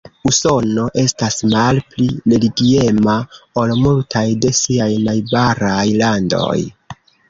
Usono estas malpli religiema ol multaj de siaj najbaraj landoj.